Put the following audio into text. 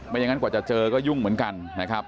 อย่างนั้นกว่าจะเจอก็ยุ่งเหมือนกันนะครับ